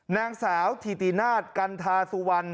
นางสาวถิตินาศกัณฑาสุวรรณ